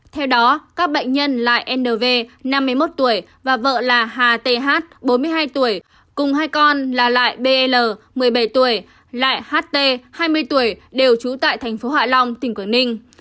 theo đó các bệnh nhân lại n v năm mươi một tuổi và vợ là hà t h bốn mươi hai tuổi cùng hai con là lại b l một mươi bảy tuổi lại h t hai mươi tuổi đều trú tại thành phố hạ long tỉnh quảng ninh